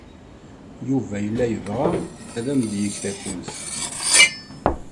Yuba yella yebɣa ad am-yeg takunt.